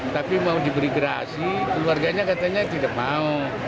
tapi mau diberi gerasi keluarganya katanya tidak mau